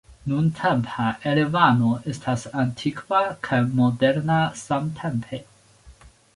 Nuntempa Erevano estas antikva kaj moderna samtempe.